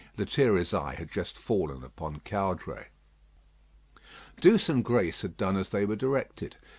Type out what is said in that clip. Lethierry's eye had just fallen upon Caudray. Douce and Grace had done as they were directed.